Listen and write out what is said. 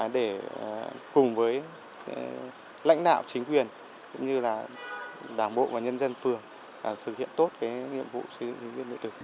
để cùng với lãnh đạo chính quyền cũng như là đảng bộ và nhân dân phường thực hiện tốt nhiệm vụ xây dựng chính quyền địa tử